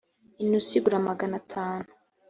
inusu igura magana atanu.